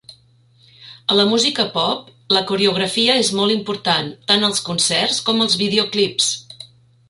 A la música pop, la coreografia és molt important, tant als concerts com als videoclips.